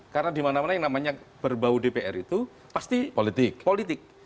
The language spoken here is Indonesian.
karena dimana mana yang namanya berbau dpr itu pasti politik